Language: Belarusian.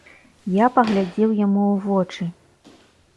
Я паглядзеў яму ў вочы.